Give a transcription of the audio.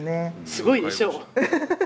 すごいでしょう。